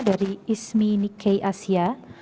dari ismi nikei asia